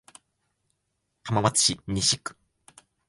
浜松市西区